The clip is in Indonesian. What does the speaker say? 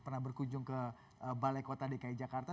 pernah berkunjung ke balai kota dki jakarta